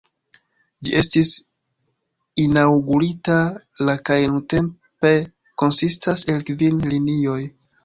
Ĝi estis inaŭgurita la kaj nuntempe konsistas el kvin linioj.